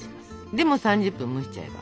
で３０分蒸しちゃえば。